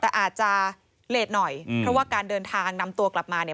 แต่อาจจะเลสหน่อยเพราะว่าการเดินทางนำตัวกลับมาเนี่ย